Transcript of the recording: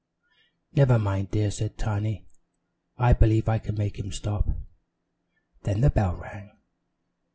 "Never mind, dear," said Tiny. "I believe I can make him stop." Then the bell rang.